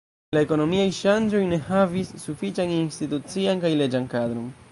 La ekonomiaj ŝanĝoj ne havis sufiĉan institucian kaj leĝan kadron.